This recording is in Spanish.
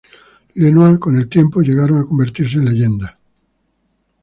Lenoir, con el tiempo llegaron a convertirse en leyendas.